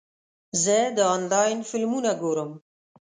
زه د انلاین فلمونه ګورم.